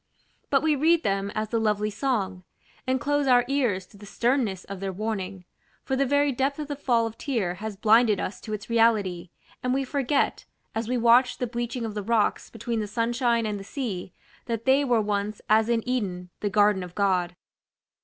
But we read them as a lovely song; and close our ears to the sternness of their warning: for the very depth of the Fall of Tyre has blinded us to its reality, and we forget, as we watch the bleaching of the rocks between the sunshine and the sea, that they were once "as in Eden, the garden of God."